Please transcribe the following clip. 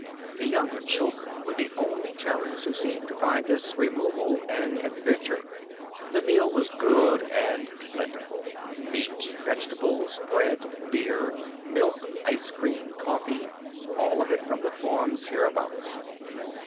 The younger children were the only Terrans who seemed to find this removal an adventure. The meal was good and plentiful: meat, vegetables, bread, beer, milk, ice cream, coffee, all of it from the farms hereabouts.